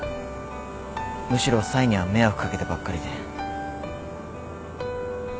むしろ冴には迷惑掛けてばっかりで。